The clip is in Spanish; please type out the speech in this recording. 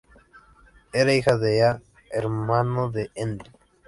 Era hija de Ea, hermano de Enlil.